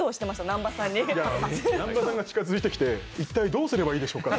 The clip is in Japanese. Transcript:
南波さんが近づいてきて、一体どうすればいいでしょうか？